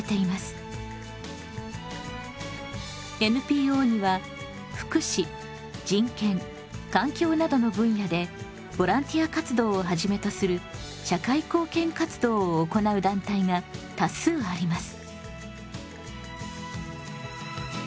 ＮＰＯには福祉人権環境などの分野でボランティア活動をはじめとする社会貢献活動を行う団体が多数あります。